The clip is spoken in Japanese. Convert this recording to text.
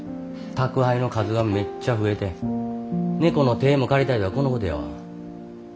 宅配の数がめっちゃ増えて「猫の手も借りたい」とはこのことやわ。